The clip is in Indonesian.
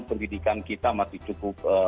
pendidikan kita masih cukup